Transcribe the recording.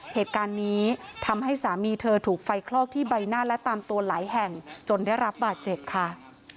เหตุการณ์นี้ทำให้สามีเธอถูกไฟคลอกที่ใบหน้าและตามตัวหลายแห่งจนได้รับบาดเจ็บค่ะ